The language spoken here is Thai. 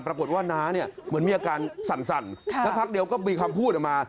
ปรากฏว่าน้าเนี่ยเหมือนมีอาการสั่นสักพักเดียวก็มีคำพูดออกมา